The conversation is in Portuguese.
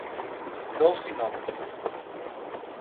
Dolcinópolis